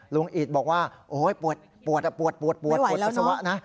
ลุงอิตบอกว่าโอ้ยปวดปวดปวดสักสักวันนะ